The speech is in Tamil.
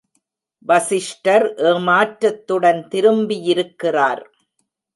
வசிஷ்டர் ஏமாற்றத்துடன் திரும்பியிருக்கிறார்.